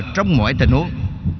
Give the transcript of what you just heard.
trong mọi tình huống